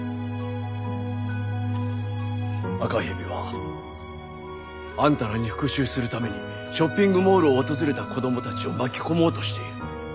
赤蛇はあんたらに復讐するためにショッピングモールを訪れた子供たちを巻き込もうとしている。